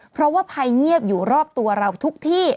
เพราะว่าภัยเงียบอยู่รอบตัวเราทุกที่